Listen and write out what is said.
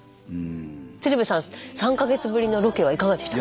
鶴瓶さん３か月ぶりのロケはいかがでしたか？